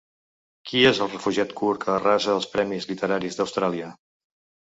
Qui és el refugiat kurd que arrasa als premis literaris d’Austràlia?